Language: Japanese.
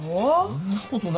そんなことないよ。